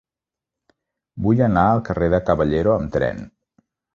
Vull anar al carrer de Caballero amb tren.